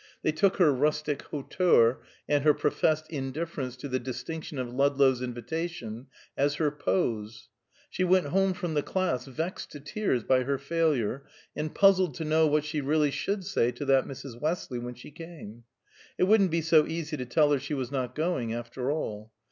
They took her rustic hauteur and her professed indifference to the distinction of Ludlow's invitation, as her pose. She went home from the class vexed to tears by her failure, and puzzled to know what she really should say to that Mrs. Westley when she came; it wouldn't be so easy to tell her she was not going, after all.